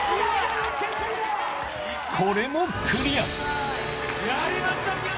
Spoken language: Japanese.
これもクリア。